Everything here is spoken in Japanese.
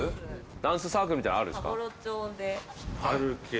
ダンスサークルみたいなのあるんですか？